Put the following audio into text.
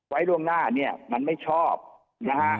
ไว้ล่วงหน้าเนี่ยมันไม่ชอบนะฮะ